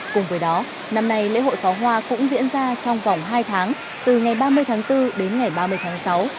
cùng với đó năm nay lễ hội pháo hoa cũng diễn ra trong vòng hai tháng từ ngày ba mươi tháng bốn đến ngày ba mươi tháng sáu